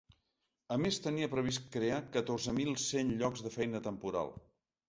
A més, tenia previst crear catorze mil cent llocs de feina temporal.